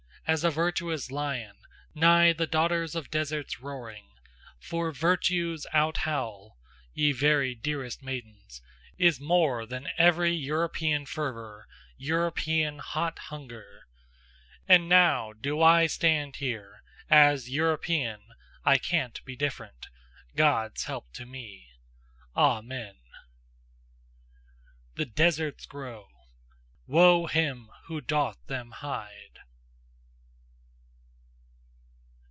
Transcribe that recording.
As a virtuous lion Nigh the daughters of deserts roaring! For virtue's out howl, Ye very dearest maidens, Is more than every European fervour, European hot hunger! And now do I stand here, As European, I can't be different, God's help to me! Amen! THE DESERTS GROW: WOE HIM WHO DOTH THEM HIDE!